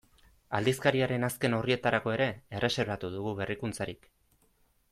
Aldizkariaren azken orrietarako ere erreserbatu dugu berrikuntzarik.